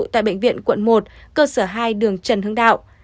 tại bệnh viện quận một cơ sở hai đường trần hưng đạo